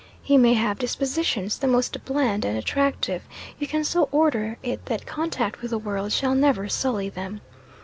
He may have dispositions the most bland and attractive; you can so order it that contact with the world shall never sully them.